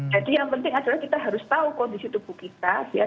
jadi yang penting adalah kita harus tahu kondisi tubuh kita ya